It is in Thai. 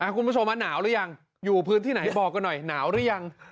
คุณผู้ชมหนาวหรือยังอยู่พื้นที่ไหนบอกกันหน่อยหนาวหรือยัง